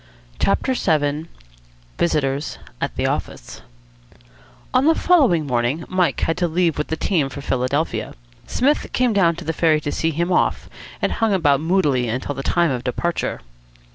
CHAPTER VII VISITORS AT THE OFFICE On the following morning Mike had to leave with the team for Philadelphia. Psmith came down to the ferry to see him off, and hung about moodily until the time of departure.